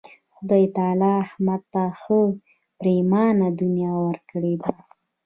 خدای تعالی احمد ته ښه پرېمانه دنیا ورکړې ده.